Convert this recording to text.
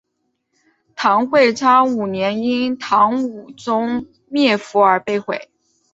唐会昌五年因唐武宗灭佛而被毁。